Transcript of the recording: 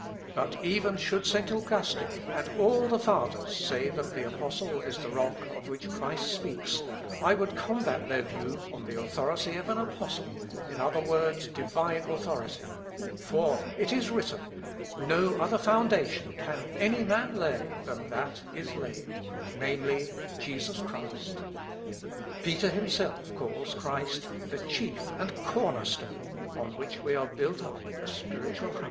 But even should St. Augustine and all the Fathers say that the apostle is the rock of which Christ speaks, I would combat their view on the authority of an apostle, in other words, divine authority; for it is written, 'No other foundation can any man lay than that is laid, namely, Jesus Christ.' Peter himself calls Christ, 'the chief and corner stone on which we are built up a spiritual house.'"